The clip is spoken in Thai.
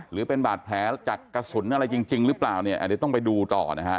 หรือเป็นบาดแผลจากกระสุนอะไรจริงจริงหรือเปล่าเนี่ยเดี๋ยวต้องไปดูต่อนะฮะ